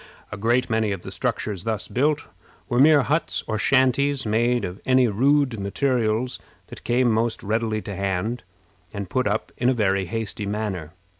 A great many of the structures thus built were mere huts or shanties, made of any rude materials that came most readily to hand, and put up in a very hasty manner.